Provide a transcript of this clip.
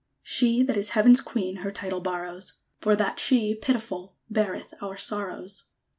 _ She that is Heaven's Queen Her title borrows, For that she, pitiful, Beareth our sorrows.